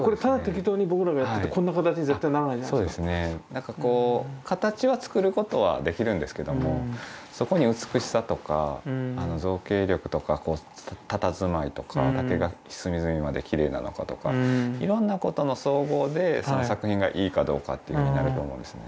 なんかこう形は作ることはできるんですけどもそこに美しさとか造形力とかたたずまいとか竹が隅々まできれいなのかとかいろんなことの総合でその作品がいいかどうかっていうのになると思うんですね。